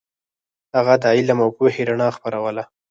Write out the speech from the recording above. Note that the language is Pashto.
هغه د علم او پوهې رڼا خپروله.